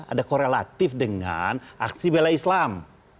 ada korelatif dengan aksi bela islam